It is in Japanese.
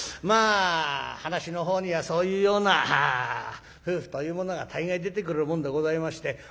まあ噺の方にはそういうような夫婦というものが大概出てくるもんでございまして。